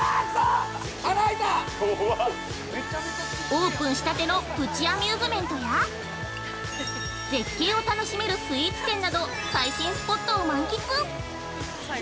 ◆オープンしたてのプチアミューズメントや絶景を楽しめるスイーツ店など最新スポットを満喫！